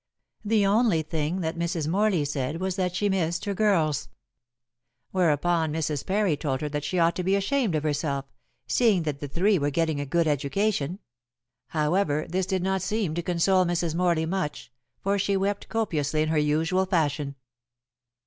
The only thing that Mrs. Morley said was that she missed her girls. Whereupon Mrs. Parry told her that she ought to be ashamed of herself, seeing that the three were getting a good education. However, this did not seem to console Mrs. Morley much, for she wept copiously in her usual fashion.